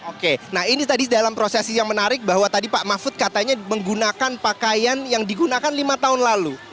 oke nah ini tadi dalam prosesi yang menarik bahwa tadi pak mahfud katanya menggunakan pakaian yang digunakan lima tahun lalu